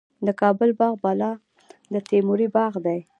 د کابل باغ بالا د تیموري باغ دی